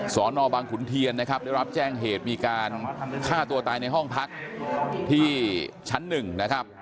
สอนอบังขุนเทียนนะครับได้รับแจ้งเหตุมีการฆ่าตัวตายในห้องพักที่ชั้นหนึ่งนะครับ